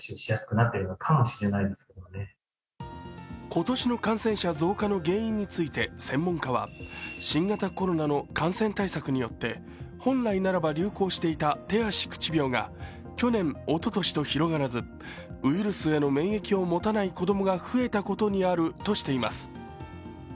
今年の感染者増加の原因について専門家は新型コロナの感染対策によって本来ならば流行していた手足口病が去年、おととしと広がらずウイルスへの免疫を持たない子供が増えたことにあるとしています。